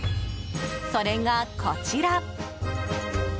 それが、こちら！